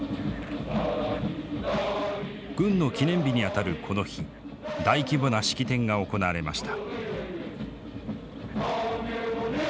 軍の記念日にあたるこの日大規模な式典が行われました。